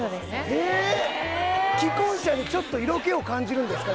えーっ既婚者にちょっと色気を感じるんですか？